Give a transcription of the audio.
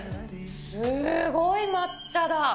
すごい抹茶だ。